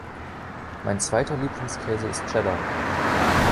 Mein zweiter Lieblingskäse ist Cheddar.